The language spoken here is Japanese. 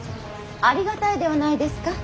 ありがたいではないですか。